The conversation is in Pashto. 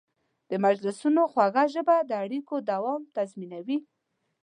د مجلسونو خوږه ژبه د اړیکو دوام تضمینوي.